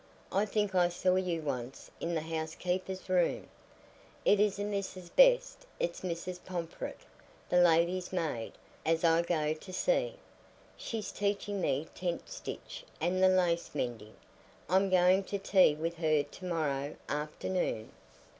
I think I saw you once in the housekeeper's room." "It isn't Mrs. Best, it's Mrs. Pomfret, the lady's maid, as I go to see. She's teaching me tent stitch and the lace mending. I'm going to tea with her to morrow afternoon."